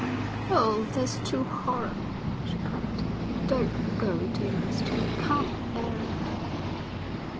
'Oh, that's too horrible,' she cried. 'Don't go, dearest; I can't bear it.'